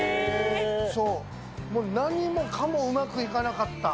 そう、もう何もかもうまくいかなかった。